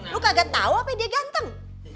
lu kagak tau apa dia ganteng